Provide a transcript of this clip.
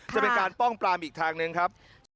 จะเป็นการป้องปรามอีกทางหนึ่งครับ